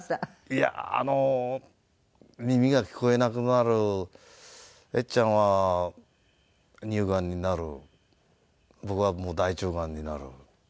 いやああの耳が聞こえなくなるえっちゃんは乳がんになる僕はもう大腸がんになる。